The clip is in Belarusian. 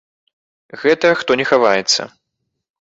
Гэта, хто не хаваецца.